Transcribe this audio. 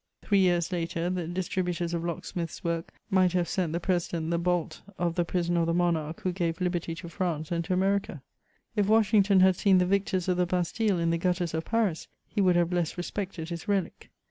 Three years later, tlie distributors of locksmiths' work might have sent the president the bolt of the prison of the monarch who gave liberty to France and to America. l£ Washington had seen the victors of the Bastille in the gutters of Paris, he would have less respected his relic.